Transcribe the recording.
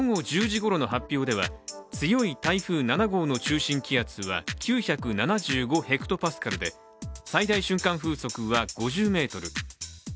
午後１０時頃の発表では強い台風７号の中心気圧は９７５ヘクトパスカルで最大瞬間風速は５０メートル。